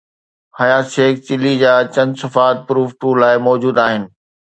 حيات شيخ چلي جا چند صفحا پروف II لاءِ موجود آهن.